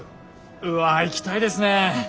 うわ行きたいですねえ！